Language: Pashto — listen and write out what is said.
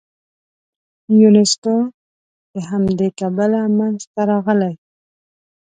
یونسکو د همدې کبله منځته راغلی.